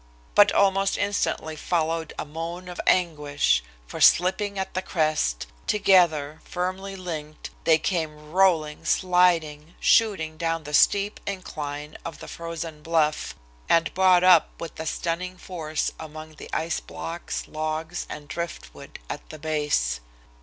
But almost instantly followed a moan of anguish, for slipping at the crest, together, firmly linked, they came rolling, sliding, shooting down the steep incline of the frozen bluff, and brought up with stunning force among the ice blocks, logs and driftwood at the base.